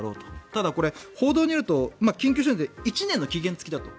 ただ、報道によると緊急承認って１年という期限付きだと。